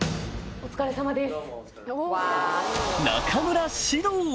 お疲れさまです。